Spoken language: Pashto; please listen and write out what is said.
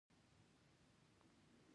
آیا کوپراتیفونه شته؟